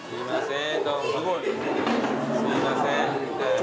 すいません。